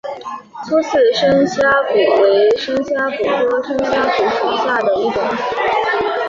粗刺深虾蛄为深虾蛄科深虾蛄属下的一个种。